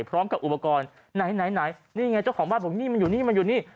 พร้อมกับอุปกรณ์ไหนไหนนี่ไงเจ้าของบ้านบอกนี่มันอยู่นี่มันอยู่นี่